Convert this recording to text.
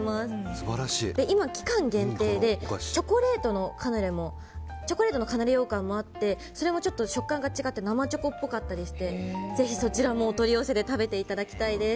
今、期間限定でチョコレートのカヌレ羊羹もあってそれもちょっと食感が違って生チョコっぽかったりしてぜひそちらもお取り寄せで食べていただきたいです。